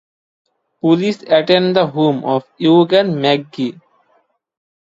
Police attend the home of Eugene McGee.